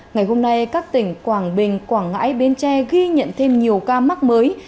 ngày hôm nay các tỉnh quảng bình quảng ngãi bến tre ghi nhận thêm nhiều ca mắc mới